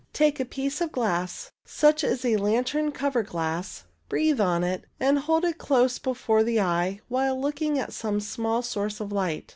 Take a piece of glass such as a lantern cover glass, breathe on it, and hold it close before the eye while looking at some small source of light.